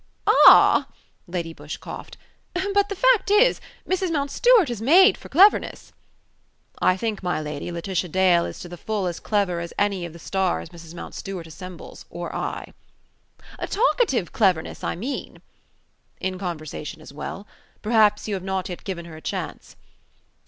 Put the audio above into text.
"Ah!" Lady Busshe coughed. "But the fact is, Mrs. Mountstuart is made for cleverness!" "I think, my lady, Laetitia Dale is to the full as clever as any of the stars Mrs. Mountstuart assembles, or I." "Talkative cleverness, I mean." "In conversation as well. Perhaps you have not yet given her a chance."